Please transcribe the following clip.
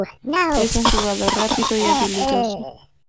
Es un jugador rápido y habilidoso.